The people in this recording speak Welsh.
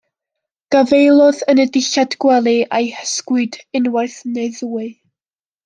Gafaelodd yn y dillad gwely a'u hysgwyd unwaith neu ddwy.